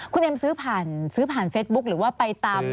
คุณเอ็มซื้อผ่านเฟซบุ๊คหรือว่า